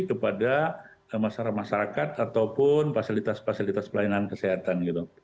kepada masyarakat masyarakat ataupun fasilitas fasilitas pelayanan kesehatan gitu